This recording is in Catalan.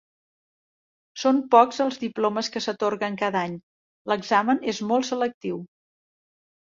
Són pocs els diplomes que s'atorguen cada any; l'examen és molt selectiu.